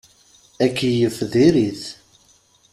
Akeyyef diri-t.